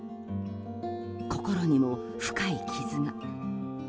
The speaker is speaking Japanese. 心にも深い傷が。